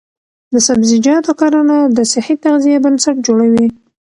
د سبزیجاتو کرنه د صحي تغذیې بنسټ جوړوي.